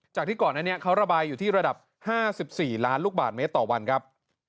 จากที่ก่อนในนี้เขาระบายอยู่ที่ระดับห้าสิบสี่ล้านลูกบาทเมตรต่อวันครับ